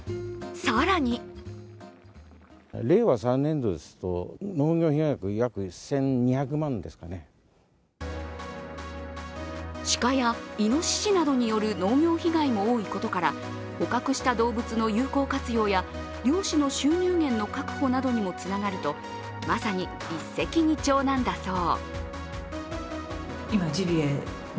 更に鹿やイノシシなどによる農業被害も多いことから捕獲した動物の有効活用や猟師の収入源の確保などにもつながるとまさに一石二鳥なんだそう。